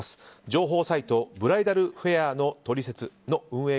情報サイトブライダルフェアのトリセツの運営